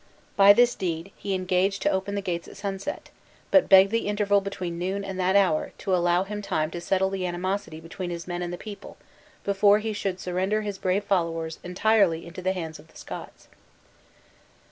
By this deed, he engaged to open the gates at sunset, but begged the interval between noon and that hour, to allow him time to settle the animosity between his men and the people before he should surrender his brave followers entirely into the hands of the Scots.